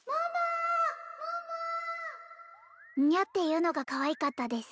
「んにゃっ」っていうのがかわいかったです